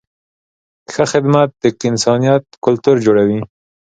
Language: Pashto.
ښه خدمت د انسانیت کلتور جوړوي.